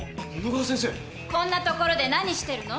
こんな所で何してるの？